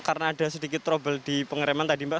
karena ada sedikit trouble di pengereman tadi mbak